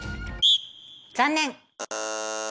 残念！